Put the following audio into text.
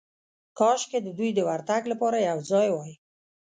کاشکې د دوی د ورتګ لپاره یو ځای وای.